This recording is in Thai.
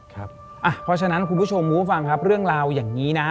เพราะฉะนั้นคุณผู้ชมพูดมาฟังเรื่องราวอย่างนี้นะ